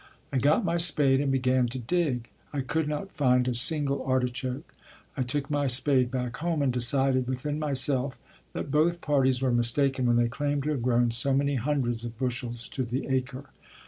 I got my spade and began to dig. I could not find a single artichoke. I took my spade back home and decided within myself that both parties were mistaken when they claimed to have grown so many hundreds of bushels to the acre.